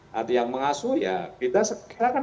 siapa yang mengasuh ya kita segerakan